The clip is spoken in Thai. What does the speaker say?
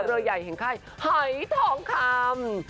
หัวเรือใหญ่แห่งไคร้หายทองคำ